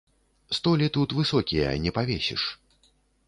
Столі тут высокія, не павесіш.